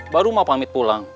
baru mau pamit pulang